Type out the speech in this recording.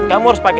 sampai jumpa lagi